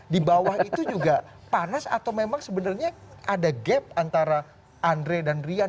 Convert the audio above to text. di bawah itu juga panas atau memang sebenarnya ada gap antara andre dan rian